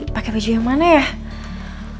pakai baju yang mana ya